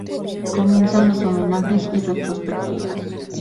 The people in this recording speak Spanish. Comienzan los homenajes y retrospectivas.